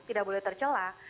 tidak boleh tercelah